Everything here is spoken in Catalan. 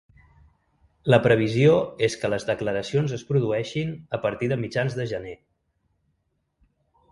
La previsió és que les declaracions es produeixin a partir de mitjans de gener.